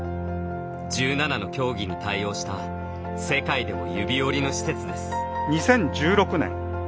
１７の競技に対応した世界でも指折りの施設です。